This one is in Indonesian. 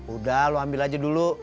udah lo ambil aja dulu